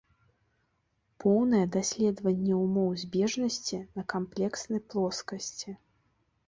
Поўнае даследаванне ўмоў збежнасці на камплекснай плоскасці.